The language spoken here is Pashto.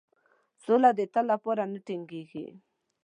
سوله د تل لپاره نه ټینګیږي.